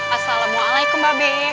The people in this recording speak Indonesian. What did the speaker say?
assalamualaikum mbak bek